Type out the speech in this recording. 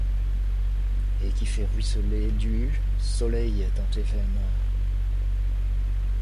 Et qui fait ruisseler du, soleil dans tes veines.